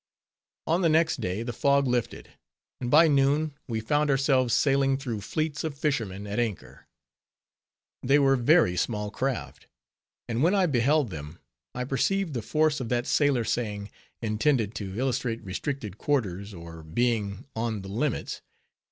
On the next day, the fog lifted; and by noon, we found ourselves sailing through fleets of fishermen at anchor. They were very small craft; and when I beheld them, I perceived the force of that sailor saying, intended to illustrate restricted quarters, or being _on the limits.